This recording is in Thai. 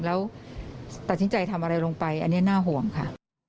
แล้วตัดสินใจทำอะไรลงไปอันนี้น่าห่วงค่ะ